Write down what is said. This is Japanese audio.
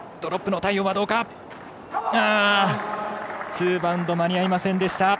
ツーバウンド間に合いませんでした。